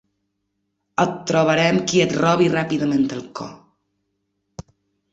Et trobarem qui et robi ràpidament el cor.